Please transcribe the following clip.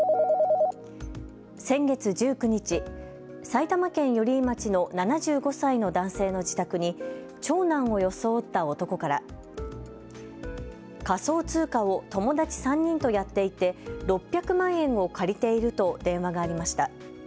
先月１９日、埼玉県寄居町の７５歳の男性の自宅に長男を装った男から仮想通貨を友達３人とやっていて６００万円を借りていると電話がありました。